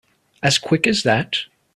As quick as that?